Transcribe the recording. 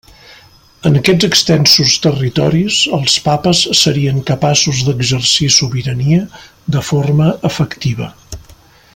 En aquests extensos territoris els papes serien capaços d'exercir sobirania de forma efectiva.